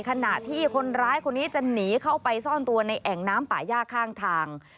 ขณะที่คนร้ายคนนี้จะหนีเข้าไปซ่อนตัวในแอ่งน้ำป่าย่าข้างทาง